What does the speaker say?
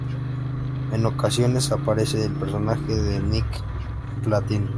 En ocasiones aparece el personaje de Nick Platino.